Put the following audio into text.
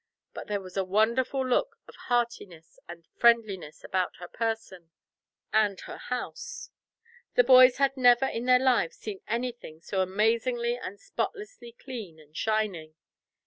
But there was a wonderful look of heartiness and friendliness about her person and her house; the boys had never in their lives seen anything so amazingly and spotlessly clean and shining.